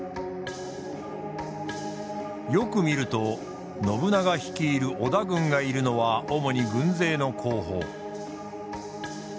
よく見ると信長率いる織田軍がいるのは主に軍勢の後方。